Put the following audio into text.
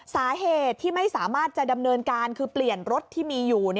สาเหตุที่ไม่สามารถจะดำเนินการคือเปลี่ยนรถที่มีอยู่